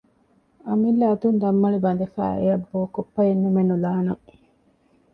އަމިއްލަ އަތުން ދަންމަޅި ބަނދެފައި އެއަށް ބޯކޮއްޕައެއް ނުމެ ނުލާނަން